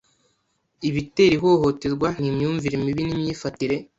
ibitera ihohoterwa ni imyumvire mibi n’imyifatire